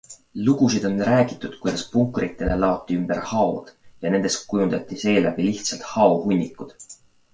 Lugusid on räägitud kuidas punkritele laoti ümber haod ja nendest kujundati seeläbi lihtsalt haohunnikud.